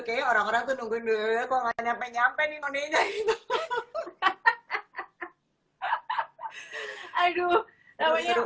kayaknya orang orang tuh nungguin kok gak nyampe nyampe nih nonenya gitu